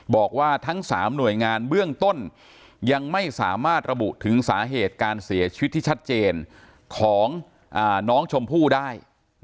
บอกว่าทั้ง๓หน่วยงานเบื้องต้นยังไม่สามารถระบุถึงสาเหตุการเสียชีวิตที่ชัดเจนของน้องชมพู่ได้